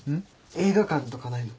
映画館とかないの？